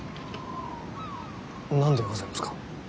何でございますか。